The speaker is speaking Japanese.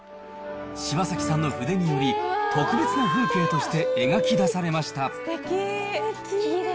柴崎さんの筆により、特別な風景として描き出されました。